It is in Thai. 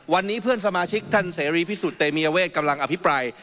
วันนี้เพื่อนสมาชิกท่านเสรีพิสุทธิเตมียเวทกำลังอภิปราย